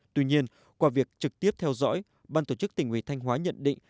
tuy nhiên qua việc trực tiếp theo dõi ban tổ chức tình huy thanh hóa nhận định